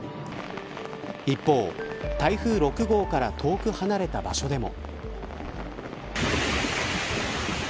一方、台風６号から遠く離れた場所でも。